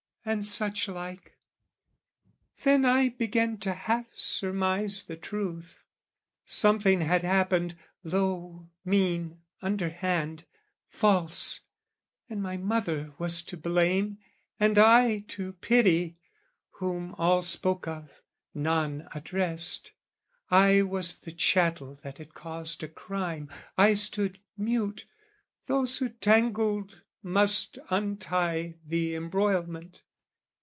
and such like. Then I began to half surmise the truth; Something had happened, low, mean, underhand, False, and my mother was to blame, and I To pity, whom all spoke of, none addressed: I was the chattel that had caused a crime. I stood mute, those who tangled must untie The embroilment.